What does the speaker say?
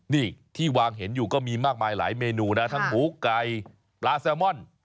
นี่ที่วางเห็นอยู่ก็มีมากมายหลายเมนูนะทั้งหมูไก่ปลาแซลมอน